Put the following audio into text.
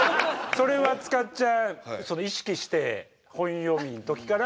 それは塚っちゃん意識して本読みのときから？